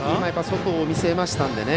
外を見せましたのでね。